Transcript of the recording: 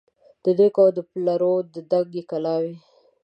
د نیکو او د پلرو دنګي کلاوي